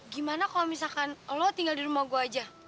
gimana kalau misalkan lo tinggal di rumah gue aja